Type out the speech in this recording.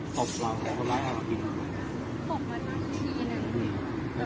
ตอนนี้กำหนังไปคุยของผู้สาวว่ามีคนละตบ